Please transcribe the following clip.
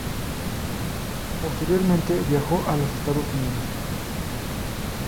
Posteriormente, viajó a los Estados Unidos.